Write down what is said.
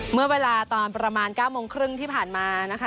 เมื่อเวลาตอนประมาณ๙โมงครึ่งที่ผ่านมานะคะ